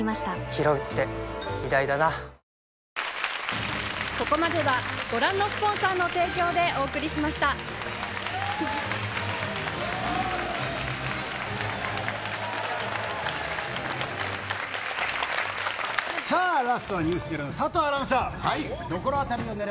ひろうって偉大だなさあ、ラストはｎｅｗｓｚｅｒｏの佐藤アナウンサー。